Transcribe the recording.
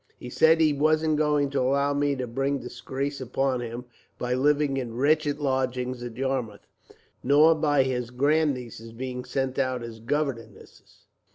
He said he wasn't going to allow me to bring disgrace upon him, by living in wretched lodgings at Yarmouth, nor by his grandnieces being sent out as governesses.